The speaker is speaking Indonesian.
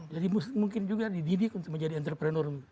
jadi mungkin juga dididik untuk menjadi entrepreneur